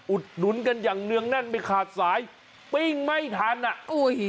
อุดหนุนกันอย่างเนื่องแน่นไม่ขาดสายปิ้งไม่ทันอ่ะอุ้ย